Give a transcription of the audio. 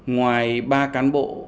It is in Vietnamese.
ngoài ba cán bộ